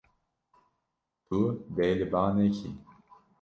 Tu dê li ba nekî.